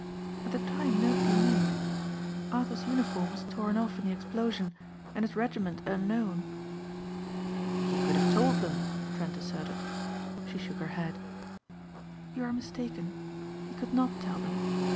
"At the time nobody knew. Arthur's uniform was torn off in the explosion and his regiment unknown." "He could have told them," Trent asserted. She shook her head. "You are mistaken. He could not tell them.